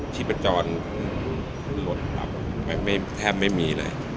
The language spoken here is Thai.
ที่ประจองลดแทบไม่มีเลย